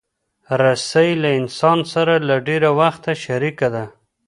رسۍ له انسان سره له ډېر وخته شریکه ده.